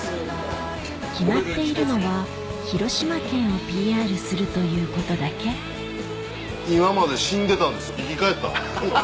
決まっているのは広島県をＰＲするということだけ今まで死んでたんです生き返った。